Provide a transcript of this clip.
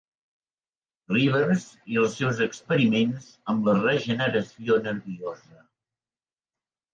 Rivers i els seus experiments amb la regeneració nerviosa.